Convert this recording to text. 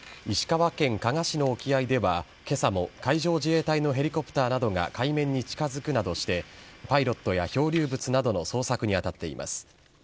石川県加賀市の沖合では、けさも海上自衛隊のヘリコプターなどが海面に近づくなどして、パイロットや漂流物などの捜索に当たっています。